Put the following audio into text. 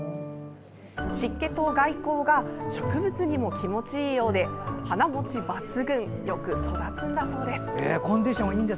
湿気と外光が植物にも気持ちいいようで花もち抜群よく育つんだそうです。